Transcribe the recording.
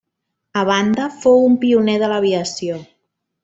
A banda fou un pioner de l'aviació.